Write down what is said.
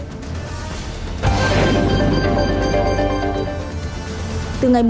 tổng số doanh nghiệp